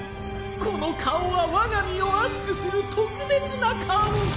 この顔はわが身を熱くする特別な顔！